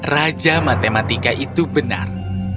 raja matematika itu benar